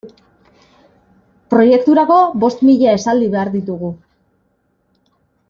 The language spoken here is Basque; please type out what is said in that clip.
Proiekturako bost mila esaldi behar ditugu.